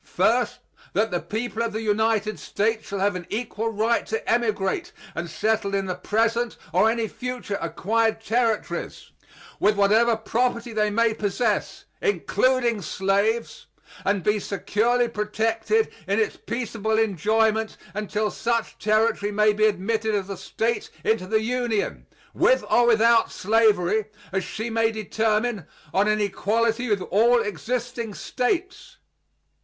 First, "that the people of the United States shall have an equal right to emigrate and settle in the present or any future acquired Territories, with whatever property they may possess (including slaves), and be securely protected in its peaceable enjoyment until such Territory may be admitted as a State into the Union, with or without slavery, as she may determine, on an equality with all existing States."